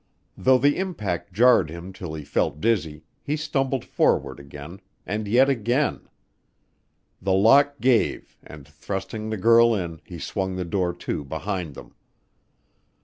Though the impact jarred him till he felt dizzy, he stumbled forward again; and yet again. The lock gave and, thrusting the girl in, he swung the door to behind them.